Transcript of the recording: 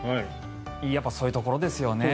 やっぱりそういうところですよね。